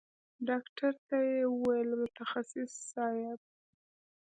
ډاکتر ته يې وويل متخصص صايب.